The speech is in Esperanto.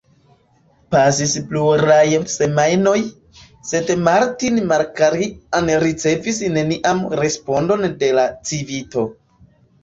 Pasis pluraj semajnoj, sed Martin Markarian ricevis nenian respondon de la Civito.